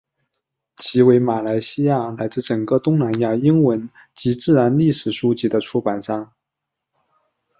其为马来西亚乃至整个东南亚英文及自然历史书籍的出版商。